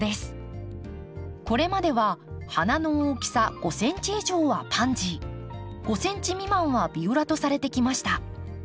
これまでは花の大きさ５ｃｍ以上はパンジー５ｃｍ未満はビオラとされてきました。